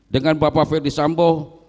dengan bapak ferdis sambo